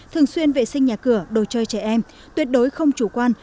thường xuyên vệ sinh nhà cửa đồ chơi trẻ em tuyệt đối không chủ quan